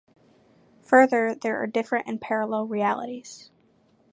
Further, there are different and parallel realities.